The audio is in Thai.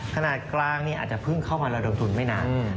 ขนาดกลางเนี่ยอาจจะเพิ่งเข้ามาแล้วลงทุนไม่นาน